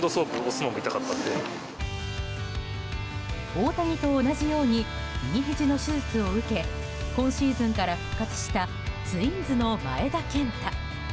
大谷と同じように右ひじの手術を受け今シーズンから復活したツインズの前田健太。